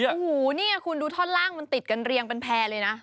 โอ้โหนี่คุณดูท่อนล่างมันติดกันเรียงเป็นแพร่เลยนะ